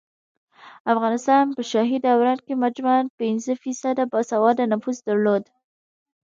افغانستان په شاهي دوران کې مجموعاً پنځه فیصده باسواده نفوس درلود